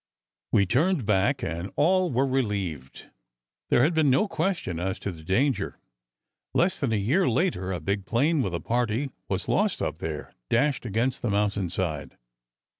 "We turned back, and all were relieved. There had been no question as to the danger. Less than a year later, a big plane with a party was lost up there, dashed against the mountain side.